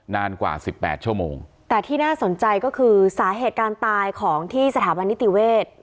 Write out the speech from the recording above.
นานกว่าสิบแปดชั่วโมงแต่ที่น่าสนใจก็คือสาเหตุการณ์ตายของที่สถาบันนิติเวศ